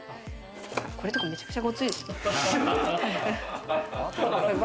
これとか、めちゃくちゃゴツいです。